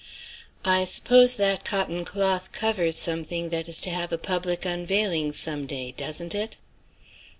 "I suppose that cotton cloth covers something that is to have a public unveiling some day, doesn't it?"